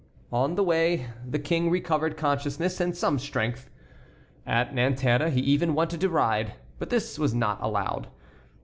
On the way the King recovered consciousness and some strength. At Nanterre he even wanted to ride, but this was not allowed.